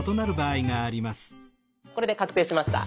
これで確定しました。